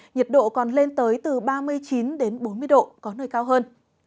nhiệt độ còn lên tới từ ba mươi chín đến bốn mươi độ có nơi cao hơn